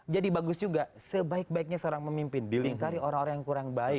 jadi bagus juga sebaik baiknya seorang pemimpin dilingkari orang orang yang kurang baik